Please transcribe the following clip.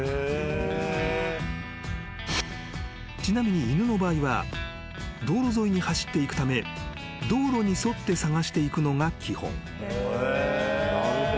［ちなみに犬の場合は道路沿いに走っていくため道路に沿って捜していくのが基本］